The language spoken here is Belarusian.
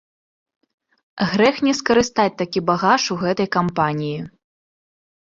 Грэх не скарыстаць такі багаж у гэтай кампаніі.